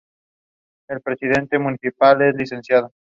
El presidente municipal es el Lic.